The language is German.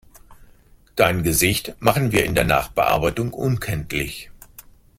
Dein Gesicht machen wir in der Nachbearbeitung unkenntlich.